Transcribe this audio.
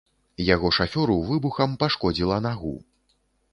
Яго шафёру выбухам пашкодзіла нагу.